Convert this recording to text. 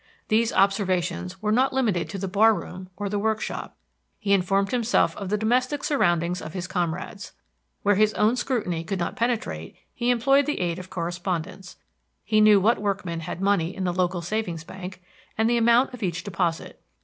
These observations were not limited to the bar room or the workshop; he informed himself of the domestic surroundings of his comrades. Where his own scrutiny could not penetrate, he employed the aid of correspondents. He knew what workmen had money in the local savings bank, and the amount of each deposit.